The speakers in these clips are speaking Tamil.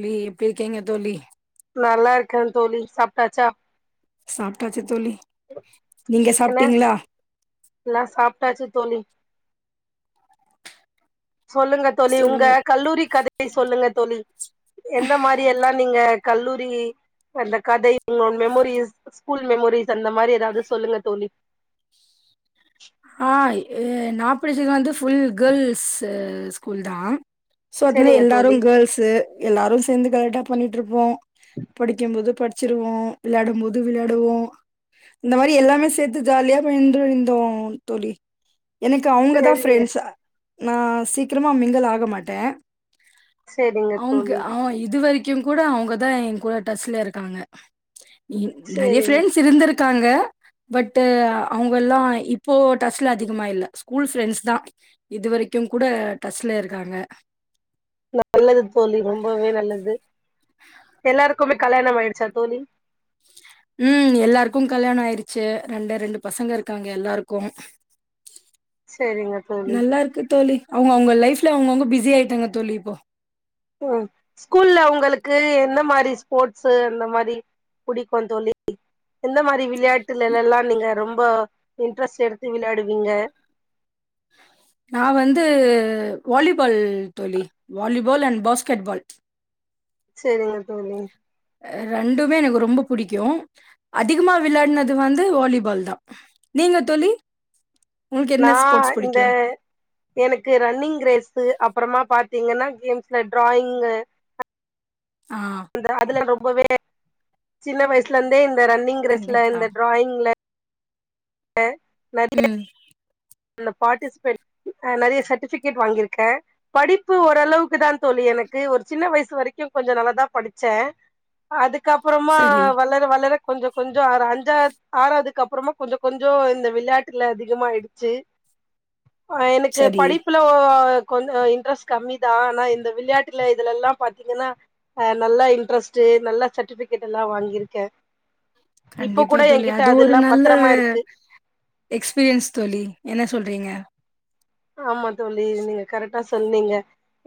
லி எப்டி இர்க்கீங்க தோழி நல்லாருக்க தோழி சாப்ட்டாச்சா சாப்ட்டாச்சு தோழி நீங்க சாப்ட்டீங்ளா லா சாப்ட்டாச்சி தோழி சொல்லுங்க தோழி உங்க சொல்லுங்க கல்லூரி கதை சொல்லுங்க தோழி எந்த மாரி எல்லா நீங்க கல்லூரி எந்த கதை உங்ளோ மெமோரிஸ் ஸ்கூல் மெமோரிஸ் அந்த மாரி எதாவ்து சொல்லுங்க தோழி ஆஏ நா படிச்சது வந்து ஃபுல் கேள்ஸு ஸ்கூல்தா சோ அதனால சேரிங்க எல்லாரு தோழி கேள்ஸு எல்லாரு சேந்து கல்ட்டா பண்ணிட்ருப்போ படிக்கம் போது பட்ச்சிருவோ விள்ளயாடம் போது விள்யாடுவோ இந்த மாரி எல்லாமே சேத்து ஜால்யா போய்ன்ருந்தோ தோழி எனக்கு அவ்ங்கதா சேரிங்க ஃப்ரெண்ட்ஸ நா சீக்கிரமா மிங்கல் ஆக மாட்டே சேரிங்க அவ்ங்க தோழி அவ இதுவரி க்கு கூட அவுங்கதா ஏ கூட டச்ல இருக்காங்க நெற்ய சேரிங்க ஃப்ரெண்ஸ் இருந்துரு காங்க பட்டு அவுங்கல்லா இப் போ டஸ்ல அதிகமா இல்ல ஸ்கூல் ஃப்ரெண்ட்ஸ் தா இதுவரைக்கு கூட டஸ்ல இருக்காங்க நல்லது தோழி ரொம்பவே நல்லது எல்லாருக்குமே கல்யாணம் ஆயிடுச்சா தோழி ம் எல்லாருக்கு கல்யாண ஆயிருச்சு ரெண்டு ரெண்டு பசங்க இருக்காங்க எல்லாருக்கு சேரிங்க தோழி நல்லா இருக்கு தோழி அவுங்க அவுங்க லைஃப்ல அவுங்கவுங்க பிஸி ஆயிட்டாங்க தோழி இப்போ ம் ஸ்கூல்ல உங்களுக்கு எந்த மாரி ஸ்போர்ட்ஸு அந்த மாரி பிடிக்கூ தோழி எந்த மாரி விளையாட்டுல எல்லா நீங்க ரொம்ப இன்ட்ரெஸ்ட் எடுத்து விளையாடுவீங்க நா வந்து வாலிபால் தோழி வாலிபால் அண்ட் பாஸ்கெட் பால் செரிங்க தோழி அ ரெண்டுமே எனக்கு ரொம்ப புடிக்கூ அதிகமா விள்ளாட்னது வந்து வோலிபால் தா நீங்க தோழி உங்களுக்கு என்ன நா ஸ்போர்ட்ஸ் இந்த புடிக்கும்? எனக்கு ரன்னிங் ரேஸ்ஸு அப்புறமா பாத்தீங்கன்னா கேம்ஸ்ல டிராயிங்கு ஆ அ அதுல ரொம்பவே சின்ன வயசுல இருந்தே இந்த ரன்னிங் ரெஸ்ல கண்டிப்பா. இந்த டிராயிங் ல ‌இல்ல ம் துல பார்ட்டிசிபெட் ‌அ நெறய சர்ட்டிஃபிகேட் வாங்கியிருக்கே படிப்பு ஓரளவுக்கு தா தோலி எனக்கு ஒரு சின்ன வயசு வரைக்கூ கொஞ்சொ நல்லதா படிச்சே அதுக்கப்புறமா சரி, வளர வளர கொஞ்சொ கொஞ்சொ ஆ அஞ்சாத் ஆறாத் அதுக் அப்புறமா கொஞ்சொ கொஞ்சொ இந்த விளையாட்ல அதிகமாயிட்ச்சு அ எனக்கு சரி. படிப்புல கொஞ்சொ கொஞ் இன்ட்ரெஸ்ட் கம்மி தா ஆனா இந்த விளையாட்ல இதுல எல்லா பாாரத்தீங்கன்னா அ நல்லா இட்ரஸ்ட்டு நல்லா சர்டிபிகேட்ல்லா வாங்கியிருக்கே இப்ப கண்டிப்பா கூட தேலி என்கிட்ட அது ஒரு அதெல்லா நல்ல பத்திரமா இருக்கு எக்ஸ்பீரியன்ஸ் தோழி என்ன சொல்றீங்க ஆமா தோலி நீங்க கரெக்டா சொன்னீங்க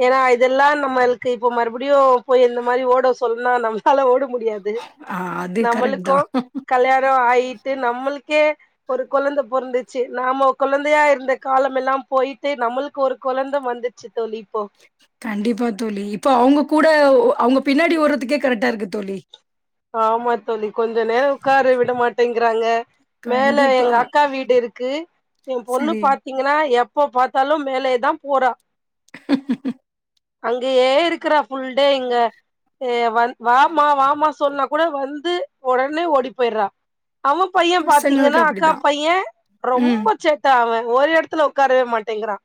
ஏன்னா இதெல்லா நம்மேள்க்கு இப்ப மறுபடியூ போய் இந்த மாரி ஓட சொல்னா நம்மளால ஓட முடியாது ஆ அது கரெக்ட் நம்மளுக்கொ தான். கல்யாணோ ஆயிட்டு நம்மள்க்கே ஒரு கொலந்த பொருந்துச்சு நாம கொலந்தயா இருந்த காலம் மெல்லா போயிட்டு நம்ளுக்கு ஒரு குழந்த வந்துருச்சு தோலி இப்போ கண்டிப்பா தோலி இப்ப அவங்க கூட அவங்க பின்னாடி ஓர்றதுக்கே கரெக்டா இருக்கு தோழி ஆமா தோழி கொஞ்சொ நேரோ உக்கார வுட மாட்டேங்கிறாங்க மேல கண்டிப்பா. எங்க அக்கா வீடு இருக்கு ஏ பொண்ணு சரி. பாத் தீங்கன்னா எப்ப பார்த்தாலூ மேலேதா போற [inaudible] அங்கயே இருக்கிறா ஃபுல்டே இங்க அ வாமா வாமா சொன்னா கூட வந்து உடனே ஓடிப் போயிட்றா அவப் பையே பசங்களுக்கு பார்த்தீங்கன்னா அக்கா அப்படிதான். பையோ ம், ரொம்ப சேட் ட அவேன் ஒரு எடத்துல உக்காரவே மாட்டேங்கிறான்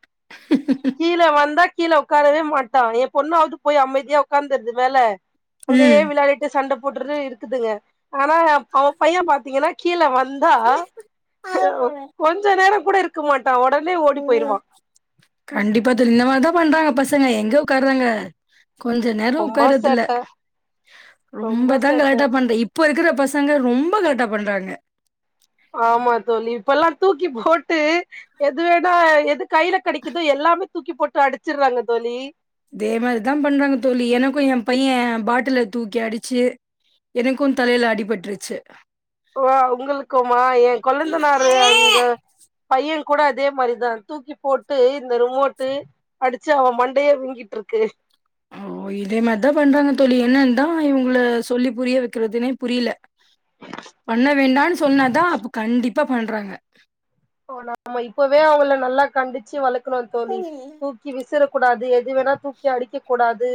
கீல வந்தா கீல உக்காரவே மாட்டான் என் பொண்ணாவது போய் அமைதியா உக்காந்தத்தூ மேல அங்கயே ம். விளாடிட்டு சண்ட போட்டுட்டு இருக்குதுங்க ஆனா அவெ பையே பாத்தீங்கன்னா கீல வந் வந்தா அ ஹூ கொஞசொ நேரோங் கூட இருக்க மாட்டா உடனே ஓடி போயிருவா கண்டிப்பா தேழி இந்த மாதிரிதா பண்றாங்க பசங்க எங்க உக்கார்றாங்க கொஞ்சொ நேர ரொம்ப உக்காரத்து இல்ல சேட்ட ரொம்ப ரொம்பதா சேட்ட கலாட்டா பண்து இப் ப்போ இருக்குற பசங்க ரொம்ப களாட்டா பண்றாங்க ஆமா தோலி இப்பெல்லா தூக்கி போட்டு எது வேணா எது கையில கெடைக்குது எல்லாமே தூக்கி போட்டு அடிச்சிட்றாங்க தோலி இதே மாரிதா பண்றாங்க தோழி எனக்கூ ஏ பையே பாட்ல தூக்கி அடிச்சி எனக்கூ தலையில அடிபட்ருச்சு ஓ உங்களுக்குமா எ கொழந்தனாரு அங்க பைய கூட அதே மாரிதா தூக்கி போட்டு இந்த ரிமோட்டு அடிச்சு அவ மண்டையே வீங்கிட் ருக்கு ஓ இதே மாரிதா பண்றாங்க தோழி என்னன்ந்தா இவங்கள சொல்லி புரிய வைக்கறிறதுனே புரியல பண்ண வேண்டான்னு சொன்னாதா அப்ப கண்டிப்பா பண்றாங்க மா நம்ம இப்பவே அவங்கள நல்லா கண்டிச்சு வளக்கணு தோழி தூக்கி விசறக்கூடாது எது வேணா தூக்கி அடிக்க கூடாது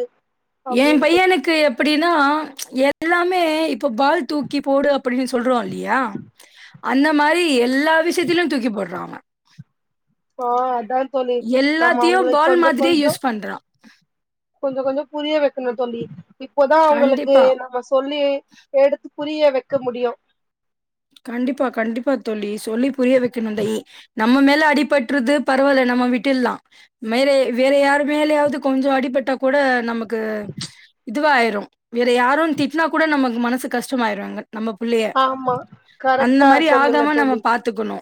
ஏன் அப்டின்ட்டு பையனுக்கு எப்புடினா எல்லாமே இப்ப பால் தூக்கி போடு அப்டின்னு சொல்றோ இல்லியா அந்த மாரி எல்லா விஷ்யத்திலு தூக்கி போட்றா அவ ஆ அதா தொலி நம்ம எல்லாத்தையும் அவ்ங்களுக் பால் கொஞ்ச மாதிரியே கொஞ்சம் யூஸ் பண்றான். கொஞ்ச கொஞ்சோ புரிய வைக்கணு தொல்லி இப்பதா அவ்ங்களுக்கு கண்டிப்பா. நம்ம சொல்லி எடுத்து புரிய வெக்க முடியு கண்டிப்பா கண்டிப்பா தொல்லி சொல்லி புரிய வைக்கணு ந்தயி நம்ம மேல அடிபட்றுது பரவாயில்ல நம்ம விட்டிர்ல்லா மேலே வேற யாரு மேலயாவுது கொஞ்சோ அடிபட்டா கூட நமக் கு இதுவாயிரு வேற யாரோன் திட்டுனா கூட நமக்கு மனசுக் கஷ்டமாயிவேங்க நம்ம பிள்ளைய ஆமா கரெக்டா சொல்லுங்க நம்ம தொல்லி பாத்துக்கணு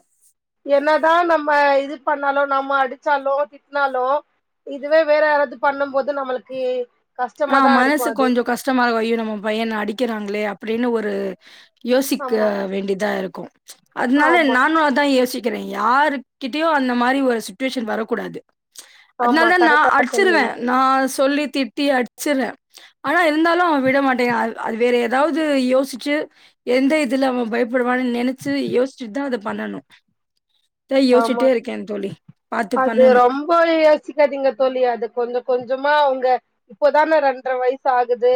என்னதா நம்ம இது பண்ணாலு நம்ம அடிச்சாலு திட்டுனாலு இதுவே வேற யாராச்சு பண்ணும் போது நம்மளுக்கு ஆ கஷ்டமாதா இருக்கு மனசுக்கு அது கொஞ்சோ கஷ் கஷ்டமாருகு ஐயோ நம்ம பையன அடிக்கிறாங்களே அப்டின்னு ஒரு யோசிக்க ஆமா வேண்டிதா இருக்கு அதுனால ஆமா நானு அதா யோசிக்கிறே யாருகிட்டயு அந்த மாரி ஒரு சுச்சுவேஷன் வரக்கூடாது ஆமா அதனாலதா நா கரெக்டா அடிச்சிருவே சொன்னீங்க நா சொல்லி திட்டி அடிச்சிர்ரே ஆனா இருந்தாலு அவ விட மாட்டேங்கா அது வேற ஏதாவுது யோசிச்சு எந்த இதுல அவ பயப்படுவான்னு நினச்சு யோசிச்சு தா அத பண்ணணு இதா ஆமா யோசச்சிட்டே இருக்கே தொலி பாத்து பண்ணணு போயே யோசிக்காதீங்க தொழி அது கொஞ்ச கொஞ்சமா அவ்ங்க இப்போதானே ரெண்ட்ர வயசு ஆகுது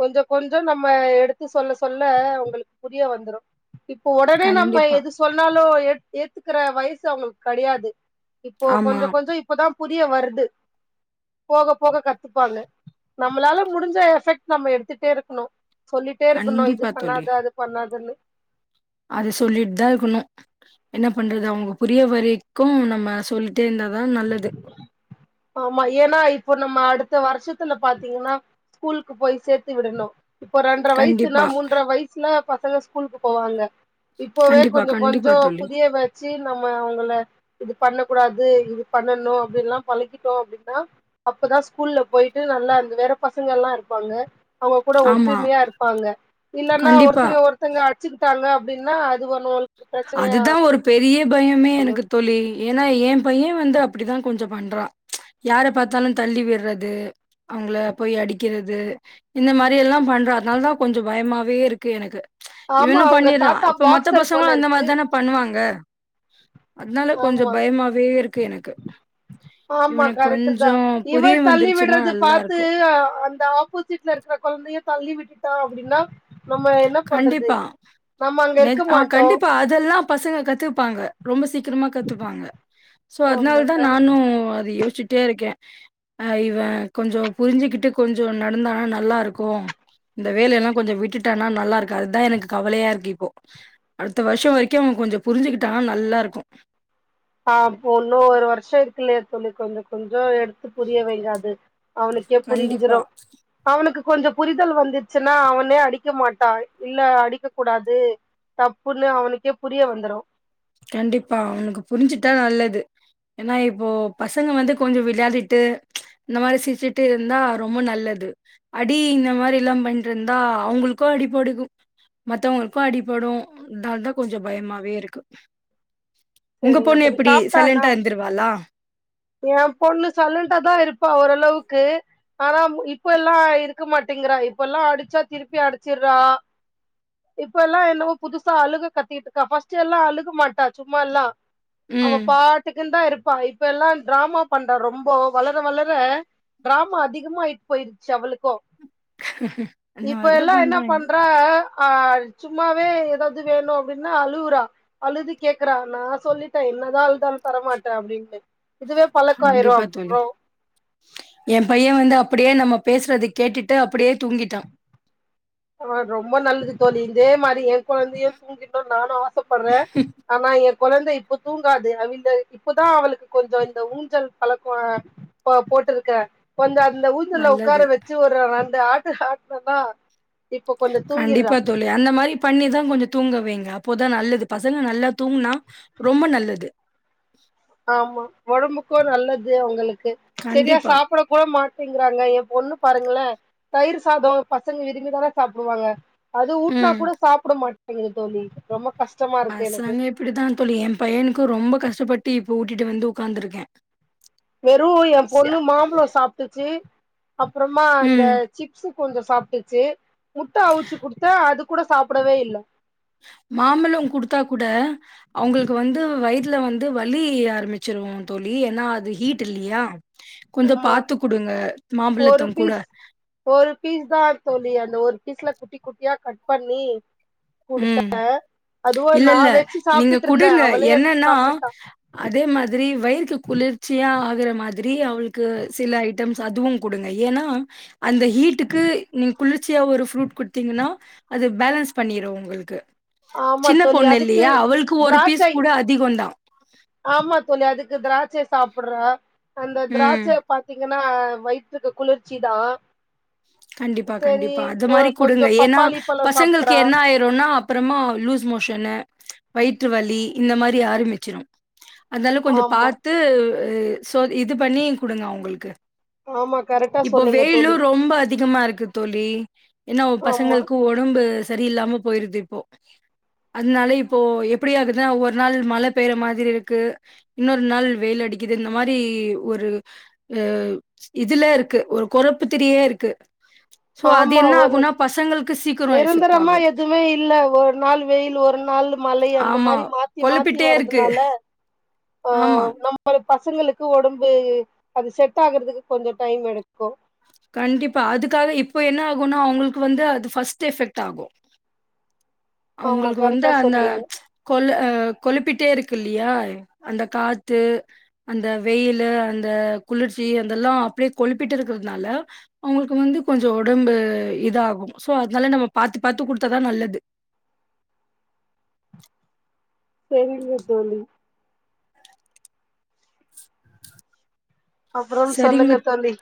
கொஞ்ச கொஞ்சோ நம்ம எடுத்து சொல்ல சொல்ல அவ்ங்களுக்கு புரிய வந்துரு இப்போ ஒடனே நம்ம கண்டிப்பா எது சொன்னாலு ஏத்துக் ஏத்துக்கிற வயசு அவ்ங்களுக்கு கெட்யாது இப்போ ஆமா கொஞ்சோ கொஞ்சோ இப்பதா புரிய வருது போக போக கத்துப்பாங்க நம்மளால முடிஞ்ச எஃபெக்ட் நம்ம எடுத்துட்டே இருக்குணு சொல்லிட்டே இருக்கணு இது கண்டிப்பா பண்ணாத அது பண்ணாதன்னு அது சொல்லிட் தா இருக்கணு என்ன பண்றது அவ்ங்க புரிய வரைக்கும் நம்ம சொல்லிட்டே இருந்தாதா நல்லது ஆமா ஏன்னா இப்போ நம்ம அடுத்த வருஷத்துல பாத்தீங்கன்னா ஸ்கூலுக்கு போய் சேத்து விடணு இப்போ ரெண்ட்ர வயசுல கண்டிப்பா மூன்ற வயசுல பசங்க ஸ்கூலுக்கு போவாங்க இப்பவே கண்டிப்பா கொஞ்ச கண்டிப்பா கொஞ்சோ தோழி புதியவே வச்சு நம்ம அவங்கள இது பண்ண கூடாது இது பண்ணணு அப்டின்ல்லா பழக்கிட்டோ அப்டின்னா அப்பதா ஸ்கூல்ல போயிட்டு நல்லா அந்த வேற பசங்க எல்லா இருப்பாங்க அவுங்க கூட ஆமா ஒற்றுமையா இருப்பாங்க இல்லன்னா கண்டிப்பா. ஒருத்தங்க ஒர்த் ங்க அடிச்சுக்கிட்டாங்க அப்டின்னா அது ஒண்ணுஒன் அதுதா ஒரு பெரிய பயமே எனக்கு தோழி ஏன்னா என் பையன் வந்து அப்படிதா கொஞ்சோ பண்றா யார பாத்தாலு தள்ளி விடுறது அவங்கள போய் அடிக்கிறது இந்த மாரி எல்லா பண்ற அதனால தா கொஞ்சோ பயமாவே இருக்கு எனக்கு ஆமா இவன்னு அவங்க பண்ணிறா தாத்தா இப்ப மத்த பாக்சர் போல பசங்களு அந்த மாரி இருக்கு தானே பண்ணுவாங்க அதனால கொஞ்சோ ஆமா பயமாவே இருக்கு எனக்கு ஆமா இவனுக்கு கரெக்ட் தா கொஞ்சம் இவ புரிய தள்ளி வந்துருச்சுன்னா விடுறது பாத்து நல்லாருக்கும். அந்த ஆபோஸ்ட் சீட்ல இருக்கிற கொழந்தைய தள்ளி விட்டுட்டா அப்டின்னா நம்ம என்ன பண்றது கண்டிப்பா. நம்ம அங்க இருக்க மாட்டோ அதெல்லா பசங்க கத்துப்பாங்க ரொம்ப சீக்கிரமா கத்துப்பாங்க சோ ஆமா அதனாலதா கரெக்ட் நானு அது யோசிச்சுட்டே இருக்கே அ இவன் கொஞ்சோ புரிஞ்சுக்கிட்டு கொஞ்சோ நடந்தானா நல்லா இருக்கு இந்த வேல எல்லா கொஞ்சோ விட்டுட்டானா நல்லா இருக்கு அதுதா எனக்கு கவலையா இருக்கு இப்போ அடுத்த வருஷம் வரைக்கு அவன் கொஞ்சோ புரிஞ்சுகிட்டான்னா நல்லா இருக்கு ஆ இன்னு ஒரு வருஷ இருக்குல்லையா தோழி கொஞ்சோ கொஞ்சோ எடுத்து புரிய வையிங்க அது அவனுக்கே கண்டிப்பா. புரிஞ்சிடு அவனுக்கு கொஞ்சோ புரிதல் வந்துருச்சின்னா அவனே அடிக்க மாட்டா இல்ல அடிக்க கூடாது தப்புன்னு அவனுக்கே புரிய வந்துரு கண்டிப்பா அவனுக்கு புரிஞ்சுட்டா நல்லது ஏன்னா இப்போ பசங்க வந்து கொஞ்சோ விளையாடிட்டு இந்த மாரி சிரிச்சுட்டு இருந்தா ரொம்ப நல்லது அடி இந்த மாரி எல்லா பண்ணிடு இருந்தா அவங்களுக்கு அடி படுக்கு மத்தவங்களுக்கு அடிப்படு இதால தா கொஞ்சோ பயமாவே இருக்கு உங்க சேரிங்க பொண்ணு தோழி எப்டி சாப்ட்டாண்ணா சைலண்டா இருந்துருவாளா? என் பொண்ணு சைல்லண்ட தா இருப்பா ஓரளவுக்கு ஆனா இப்ப எல்லா இருக்க மாட்டேங்குறா இப்ப எல்லா அடிச்சா திருப்பி அடிச்சிடுறா இப்ப எல்லா என்னோ புதுசா அழுக கத்திட்டு இருக்கா ஃபர்ஸ்ட் எல்லா அழுக மாட்டா சும்மா எல்லா அவ ம். பாட்டுக்குன்னு தா இருப்பா இப்ப எல்லா டிராமா பண்றா ரொம்ப வளர வளர டிராம அதிகமா ஆயிட்டு போயிருச்சு அவளுக்கு அந்த இப்ப மாரி தான் எல்லா என்ன பண்றாங்க. பண்ற ஆ சும்மாவே ஏதாவது வேணுன அப்டினா அழுகுறா அழுது கேக்குறா நா சொல்லிட்டே என்ன தா அழுதாலு தரமாட்டே அப்டினு இதுவே பழக்கமாயிரு கண்டிப்பா தோழி அப்றோ என் பையன் வந்து அப்டியே நம்ம பேசுறது கேட்டுட்டு அப்டியே தூங்கிட்டா ஆ ரொம்ப நல்லது தோழி இதே மாரி என் குழந்தையையு தூங்கிடும்னு நானு ஆசைப்படுறே ஆனா என குழந்தை இப்ப தூங்காது அவல இப்பதா அவளுக்கு கொஞ்சோ இந்த ஊஞ்சல் பழக்கோ போட்டிருக்கே கொஞ்சோஅந்த ஊஞ்சல் நல்லது உக்கார வச்சு ஒரு ரெண்டு ஆட்டு ஆட்டுன்னாத கண்டிப்பா தோழி அந்த மாரி பண்ணிதா கொஞ்சோ தூங்க வையிங்க அப்போதா நல்லது பசங்க நல்லா தூங்கினா ரொம்ப நல்லது ஆமா உடம்புக்கு நல்லது அவங்களுக்கு சரியா கண்டிப்பா சாப்பிட போ மாட்டேங்கறாங்க என் பொண்ணு பாருங்களே தயிர் சாத பசங்க விரும்பிதானே சாப்பிடுவாங்க அது ஊட்டனா ம் கூட சாப்பிட மாட்டேங்குது தோழி ரொம்ப கஷ்டமா இருக்கு எனக்கு பசங்க இப்படித்தா தோழி என் பையனுக்கு ரொம்ப கஷ்டப்பட்டு இப்ப ஊட்டிட்டு வந்து உக்காந்துருக்கே வெறு என் பொண்ணு மாம்பழம் சாப்பிட்டுச்சு அப்றமா இந்த ம் சிப்ஸ் கொஞ்சம் சாப்ட்டுச்சு முட்ட அவிச்சு குடுத்தா அது கூட சாப்புடவே இல்ல மாம்பழம் குடுத்தா கூட அவுங்குளுக்கு வந்து வயித்துல வந்து வலி ஆரம்பிச்சிருவோ தோழி ஏன்னா அது ஹீட் இல்லையா கொஞ்சம் ஆமா பாத்து குடுங்க ஒரு மாம்பழத்தம் கூட பீஸ் ஒரு பீஸ் தான் தோழி அந்த ஒரு பீஸ்ல குட்டி குட்டியா கட் பண்ணி ம் குடுத்தே அதுவும் இல்ல இல்ல. நான் வெச்சு நீங்க சாப்ட்டுட்ருந்தேன் குடுங்க. அவளே எடுத்து என்னன்னா, சாப்டுட்டா அதே மாதிரி வயிற்கு குளிர்ச்சியா ஆகுற மாதிரி அவளுக் கு சில ஐட்டம்ஸ் அதுவும் குடுங்க ஏன்னா அந்த ஹீட்டுக்கு நீங் குளிர்ச்சியா ஒரு ஃப்ரூட் குடுத்தீங்கன்னா அது பேலன்ஸ் பண்ணிடும் உங்குளுக்கு ஆமா சின்ன தோழி பொண்ணு அதுக்கு இல்லையா அவளுக்கு ஒரு பீஸ் திராட்சை கூட அதிகோந் தான் ஆமா தோழி அதுக்கு திராட்சை சாப்புட்றா அந்த ம். திராட்சை பாத்தீங்க னா வயித்துக்கு குளிர்ச்சி தான் கண்டிப்பா கண்டிப்பா அது ஒ மாரி கொஞ்சோ குடுங்க ஏன்னா பப்பாளி பழோ பசங்களுக்கு சாப்ட்றா என்ன ஆயிரு ருன்னா அப்புறமா லுஸ்மோஷன்னு வயிற்று வலி இந்த மாரி ஆரம்பிச்சிரும் அதனால கொஞ்சம் ஆமா பாத்து சோ இது பண்ணி குடுங்க அவங்களுக்கு ஆமா கரெக்டா இப்போ சொன்னீங்க தோழி வெயிலும் ரொம்ப அதிகமா இருக்கு தோழி ஏன்னா ஒ ஆமா பசங்களுக்கு உடம்பு சரியில்லாம போயிருது இப்போ அதனால இப்போ எப்புடியாகுதுன்னா ஒரு நாள் மழை பெய்ற மாதிரி இருக்கு இன்னொரு நாள் வெயில் அடிக்கிது இந்த மாரி ஒரு ஆ இதுலே இருக்கு ஒரு கொறப்பு திதியே இருக்கு சோ அது ஆமா என்ன ஒரு ஆகுன்னா பசங்களுக்கு சீக் நிரந்தரமா எதுமே இல்ல ஒரு நாள் வெயில் ஒரு நாள் மழை அந்த ஆமா. மாரி மாத் த்தி மாத்தி குழப்பிட்டே இருக்கு. வர்துனால ஆமா ஒரு பசங்களுக்கு ஒடம்பு அது செட் ஆகுறதுக்கு கொஞ்சம் டைம் எடுக்கும் கண்டிப்பா அதுக்காக இப்ப என்ன ஆகும்னா அவங்களுக்கு வந்து அது ஃபர்ஸ்ட் எஃபெக்ட் ஆகும் ஆமா அவுங்களுக்கு வந்து கரெக்டா அந்த சொன்னீங்க கொள் அ கொழுப்பிட்டே இருக்கு இல்லியா அந்த காத்து அந்த வெயிலு அந்த குளிர்ச்சி அதெல்லா அப்புடியே கொழுப்பிட்டு இருக்கிறதுனால அவங்களுக்கு வந்து கொஞ்சோ உடம்பு இது ஆகும் சோ அதனால நம்ம பாத்து பாத்து குடுத்தாதான் நல்லது செரிங்க தோழி அப்புறம் சரிங்க சொல்லுங்க தோழி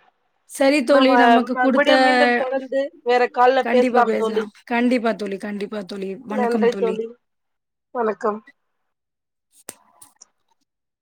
சரி தோழி நம்ம நமக்கு குடுத்த மறுபடியும் மீண்டும் தொடர்ந்து வேற கால்ல பேசலாம் தோழி கண்டிப்பா தோழி கண்டிப்பா தோழி வணக்கம் தோழி வணக்கம்